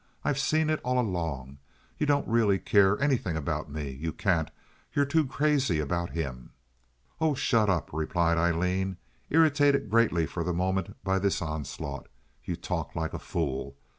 I've seen it all along. You don't really care anything about me. You can't. You're too crazy about him." "Oh, shut up!" replied Aileen, irritated greatly for the moment by this onslaught. "You talk like a fool.